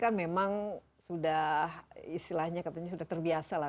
kan memang sudah istilahnya katanya sudah terbiasa lah